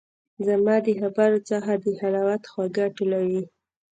زما د خبرو څخه د حلاوت خواږه ټولوي